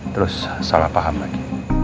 terus salah paham lagi